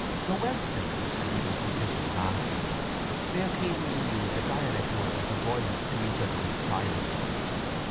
Though well trained and even proficient masters, they occasionally used a dialect word of their boyhood to each other in private.